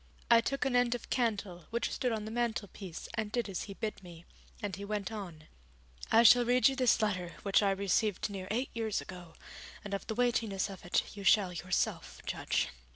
I took an end of candle which stood on the mantelpiece and did as he bid me, and he went on: 'I shall read you this letter which I received near eight years ago, and of the weightiness of it you shall yourself judge.'